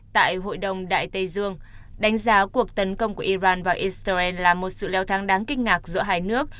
tại hội đồng đại tây dương đánh giá cuộc tấn công của iran vào israel là một sự leo thang đáng kinh ngạc giữa hai nước